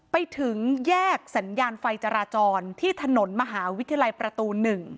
ไปถึงแยกสัญญาณไฟจราจรที่ถนนมหาวิทยาลัยประตู๑